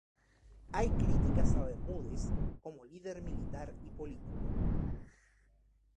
Hay críticas a Bermúdez como líder militar y político.